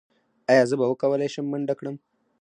ایا زه به وکولی شم منډه کړم؟